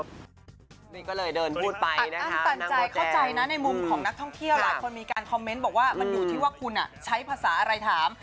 หลายคนมีการคอมเมนต์บอกว่ามันอยู่ที่ว่าคุณใช้ภาษาอะไรถาม